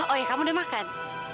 oh ya kamu udah makan